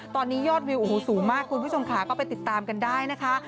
ตอนนี้ยอดวิวโอ้โหสูงมากคุณผู้ชมค่ะก็ไปติดตามกันได้นะคะ